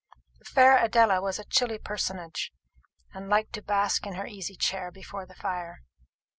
The fair Adela was a chilly personage, and liked to bask in her easy chair before the fire.